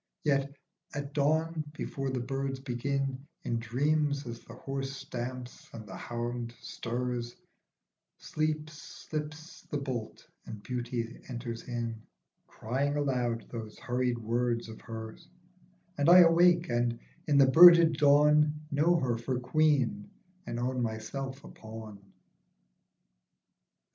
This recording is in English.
Yet at a dawn before the birds begin, In dreams, as the horse stamps and the hound stirs, Sleep slips the bolt and beauty enters in Crying aloud those hurried words of hers, And I awake and, in the birded dawn, Know her for Queen, and own myself a pawn.